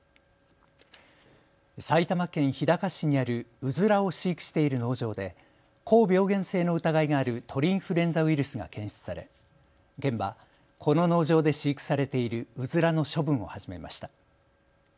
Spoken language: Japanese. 埼玉県日高市にあるうずらを飼育している農場で高病原性の疑いがある鳥インフルエンザウイルスが検出され県はこの農場で飼育されているうずらの処分を始めました。